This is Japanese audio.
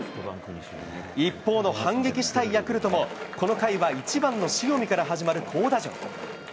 一方の反撃したいヤクルトも、この回は１番の塩見から始まる好打順。